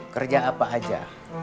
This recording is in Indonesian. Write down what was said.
kerja apa aja